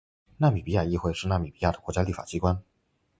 纳米比亚议会是纳米比亚的国家立法机关。